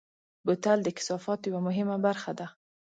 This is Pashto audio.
بوتل د کثافاتو یوه مهمه برخه ده.